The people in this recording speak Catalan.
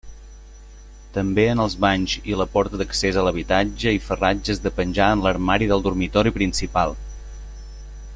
També en els banys i la porta d'accés a l'habitatge i ferratges de penjar en l'armari del dormitori principal.